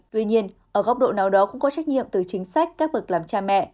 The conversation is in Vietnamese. tuy nhiên ở góc độ nào đó cũng có trách nhiệm từ chính sách các bậc làm cha mẹ